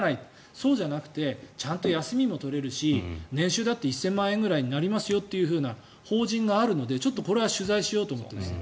そうじゃなくてちゃんと休みも取れるし年収だって１０００万円くらいになりますよというような法人があるのでこれは取材しようと思います。